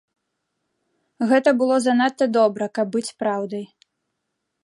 Гэта было занадта добра, каб быць праўдай.